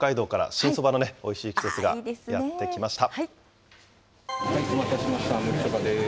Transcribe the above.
新そばのおいしい季節がやって来お待たせしました。